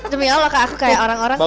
demi allah kak aku kayak orang orang